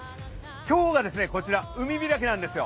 今日がこちら海開きなんですよ。